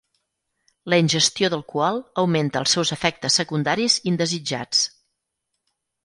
La ingestió d'alcohol augmenta els seus efectes secundaris indesitjats.